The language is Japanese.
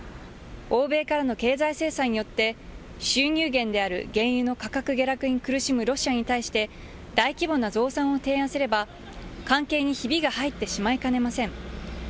欧米からの経済制裁によって収入源である原油の価格下落に苦しむロシアに対して大規模な増産を提案すれば関係にひびが入ってしまいかねません。